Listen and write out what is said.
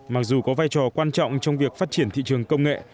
mặc dù có vai trò quan trọng trong việc phát triển thị trường công nghệ